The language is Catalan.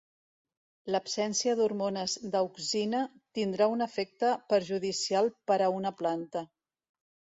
L'absència d'hormones d'auxina tindrà un efecte perjudicial per a una planta.